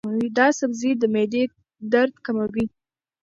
دا سبزی د معدې درد کموي.